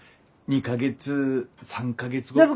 ２か月３か月後くらい。